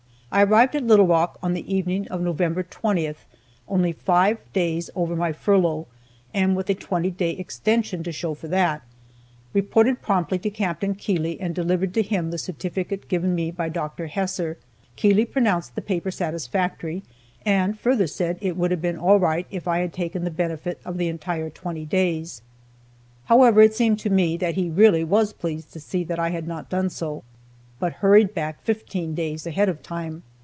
I arrived at Little Rock on the evening of November 20th, only five days over my furlough, and with a twenty day extension to show for that, reported promptly to Capt. Keeley, and delivered to him the certificate given me by Dr. Hesser. Keeley pronounced the paper satisfactory, and further said it would have been all right if I had taken the benefit of the entire twenty days. However, it somehow seemed to me that he really was pleased to see that I had not done so, but hurried back fifteen days ahead of time.